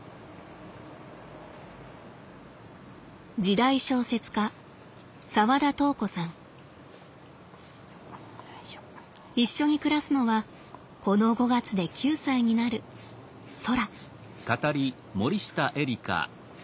時代小説家一緒に暮らすのはこの５月で９歳になるそら。